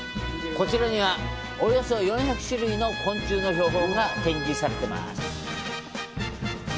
こちらには、およそ４００種類の昆虫の標本が展示されています。